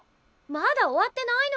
まだ終わってないのに。